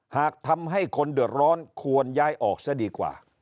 หากทำให้คนเดือดร้อนควรย้ายออกซะดีกว่า